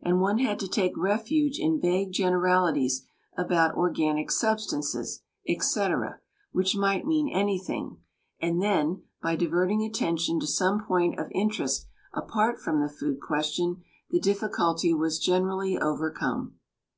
and one had to take refuge in vague generalities about organic substances, &c., which might mean anything, and then, by diverting attention to some point of interest apart from the food question, the difficulty was generally overcome.